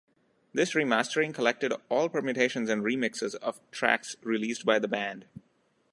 This remastering collected all permutations and remixes of tracks released by the band.